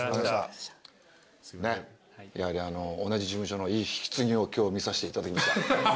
やはりあの同じ事務所のいい引き継ぎを今日見さしていただきました。